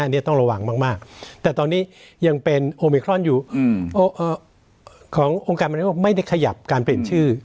อันนี้ต้องระวังมากแต่ตอนนี้ยังเป็นโอมิครอนอยู่ขององค์การมนุโลกไม่ได้ขยับการเปลี่ยนชื่อ